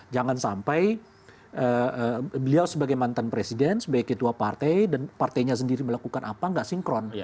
jangan sampai beliau sebagai mantan presiden sebagai ketua partai dan partainya sendiri melakukan apa nggak sinkron